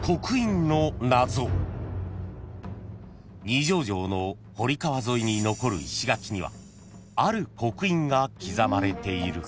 ［二条城の堀川沿いに残る石垣にはある刻印が刻まれている］